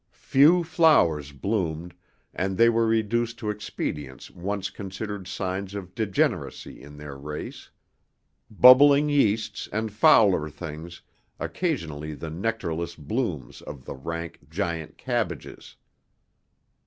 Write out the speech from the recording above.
Few flowers bloomed, and they were reduced to expedients once considered signs of degeneracy in their race. Bubbling yeasts and fouler things, occasionally the nectarless blooms of the rank, giant cabbages.